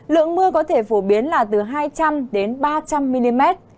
lượng mưa có thể phổ biến là từ hai trăm linh đến ba trăm linh mm